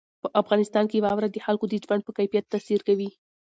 په افغانستان کې واوره د خلکو د ژوند په کیفیت تاثیر کوي.